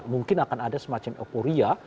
mungkin akan ada semacam euforia